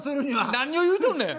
何を言うとんねん！